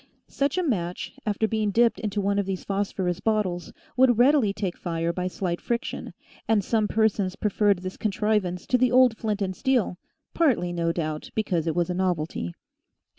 Such a match, after being dipped into one of these phosphorus bottles, would readily take fire by slight friction, and some persons preferred this contrivance to the old flint and steel, partly, no doubt, because it was a novelty.